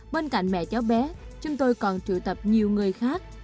bên cạnh mẹ cháu bé chúng tôi còn triệu tập nhiều người khác